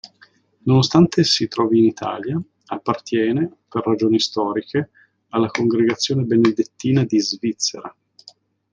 Nonostante si trovi in Italia, appartiene, per ragioni storiche, alla Congregazione benedettina di Svizzera.